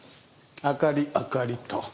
明かり明かりと。